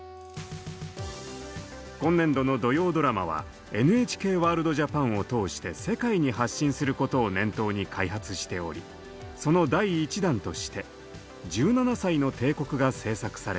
今年度の土曜ドラマは「ＮＨＫワールドＪＡＰＡＮ」を通して世界に発信することを念頭に開発しておりその第１弾として「１７才の帝国」が制作されました。